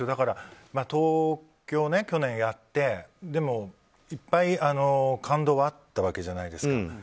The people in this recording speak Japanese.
東京、去年やっていっぱい感動があったわけじゃないですか。